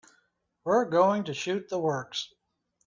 We're going to shoot the works.